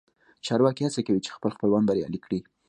چارواکي هڅه کوي چې خپل خپلوان بریالي کړي